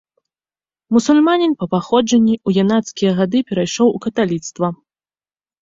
Мусульманін па паходжанні, у юнацкія гады перайшоў у каталіцтва.